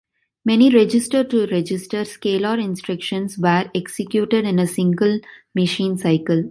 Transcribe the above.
Many register-to-register scalar instructions were executed in a single machine cycle.